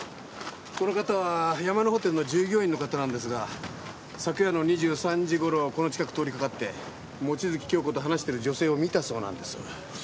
この方は山のホテルの従業員の方なんですが昨夜の２３時頃この近く通りかかって望月京子と話している女性を見たそうなんです。